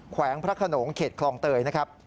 แวงพระขนงเขตคลองเตยนะครับ